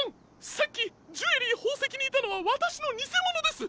さっきジュエリーほうせきにいたのはわたしのにせものです！